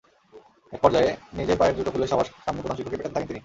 একপর্যায়ে নিজের পায়ের জুতা খুলে সবার সামনেই প্রধান শিক্ষককে পেটাতে থাকেন তিনি।